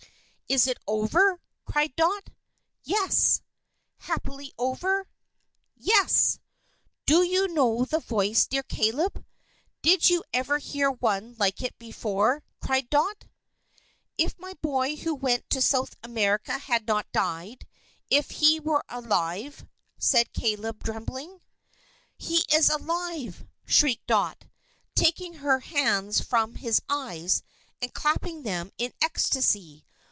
"Is it over?" cried Dot. "Yes!" "Happily over?" "Yes!" "Do you know the voice, dear Caleb? Did you ever hear one like it before?" cried Dot. "If my boy who went to South America had not died if he were alive " said Caleb, trembling. "He is alive!" shrieked Dot, taking her hands from his eyes, and clapping them in ecstasy.